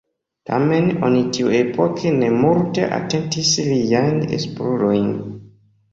Tamen oni tiuepoke ne multe atentis liajn esplorojn.